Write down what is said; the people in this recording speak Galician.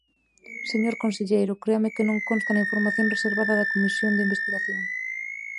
Señor conselleiro, créame que non consta na información reservada da Comisión de investigación.